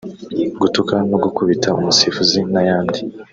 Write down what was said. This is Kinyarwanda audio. gutuka no gukubita umusifuzi n’ayandi